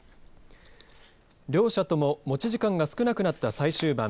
両者とも持ち時間が少なくなった最終盤。